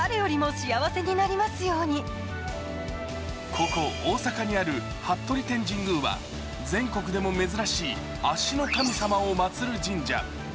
ここ大阪にある服部天神宮は全国でも珍しい足の神様をまつる神社。